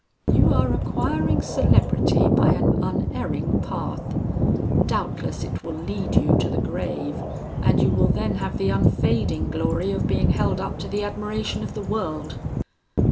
You are acquiring celebrity by an unerring path. Doubtless it will lead you to the Greve, and you will then have the unfading glory of being held up to the admiration of the world.'